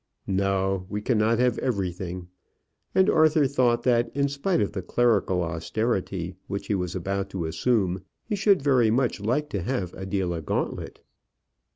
"No, we cannot have everything." And Arthur thought that, in spite of the clerical austerity which he was about to assume, he should very much like to have Adela Gauntlet.